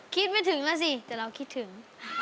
คิดไม่ถึงแล้วสิแต่เราคิดถึง